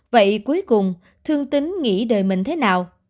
vậy cuối cùng thương tính nghĩ đời mình thế nào